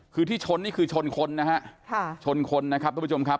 คือที่ชนนี่คือชนคนนะฮะค่ะชนคนนะครับทุกผู้ชมครับ